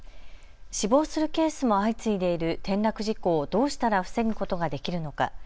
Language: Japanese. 死亡するケースも相次いでいる転落事故をどうしたら防ぐことができるのか。